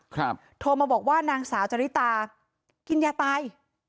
โทรมาบอกว่านางสาวจริตากินยาตาย